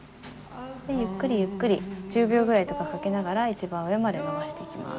でゆっくりゆっくり１０秒くらいとかかけながら一番上まで伸ばしていきます。